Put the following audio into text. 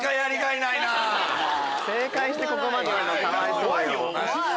正解してここまで言うのかわいそうよ。